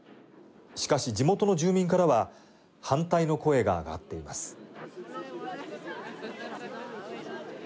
しかし、地元の住民からは反対の声が上がっています。